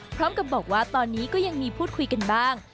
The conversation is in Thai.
พร้อมกับบอกว่าตอนนี้ก็ยังมีพูดคุยกันบ้าง